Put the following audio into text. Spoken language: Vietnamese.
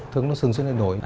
thường xuyên lên đổi